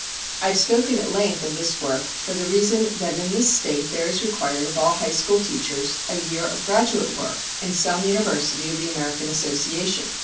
I have spoken at length of this work for the reason that in this state there is required of all high school teachers a year of graduate work in some university of the American Association.